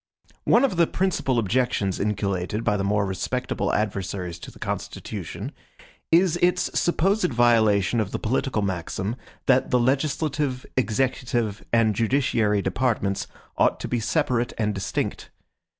One of the principal objections inculcated by the more respectable adversaries to the Constitution, is its supposed violation of the political maxim, that the legislative, executive, and judiciary departments ought to be separate and distinct.